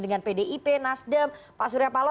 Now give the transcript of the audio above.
dengan pdip nasdem pak suryapalo